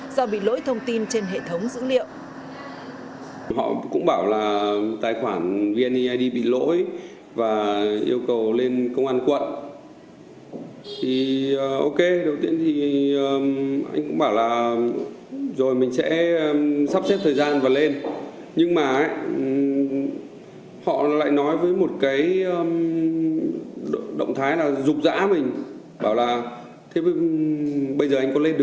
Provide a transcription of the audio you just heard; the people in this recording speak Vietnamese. do bị lỗi thông tin trên hệ thống dữ liệu